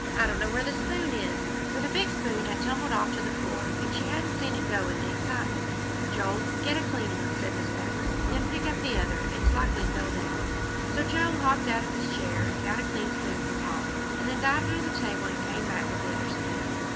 "I don't know where the spoon is," for the big spoon had tumbled off to the floor, and she hadn't seen it go in the excitement. "Joel, get a clean one," said Mrs. Pepper, "and then pick up the other; it's likely it fell down." So Joel hopped out of his chair and got a clean spoon for Polly, and then dived under the table and came back with the other spoon.